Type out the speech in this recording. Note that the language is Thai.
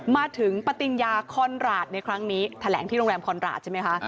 มาถึงปฏิญญาคอนราชในครั้งนี้แถลงที่โรงแรมคอนราชใช่ไหมคะ